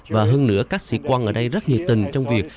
và hơn nữa các sĩ quan ở đây rất nhiệt tình trong việc